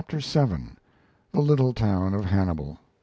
] VII. THE LITTLE TOWN OF HANNIBAL.